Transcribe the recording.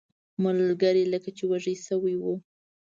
ملګري لکه چې وږي شوي وو.